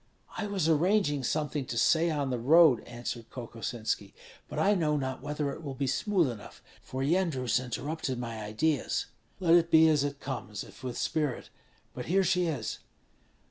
"I was arranging something to say on the road," answered Kokosinski, "but I know not whether it will be smooth enough, for Yendrus interrupted my ideas." "Let it be as it comes, if with spirit. But here she is!"